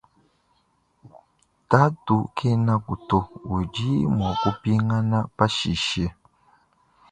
Tatu kenaku to udi muakupingana pashishe.